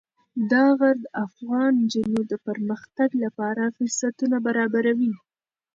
دا غر د افغان نجونو د پرمختګ لپاره فرصتونه برابروي.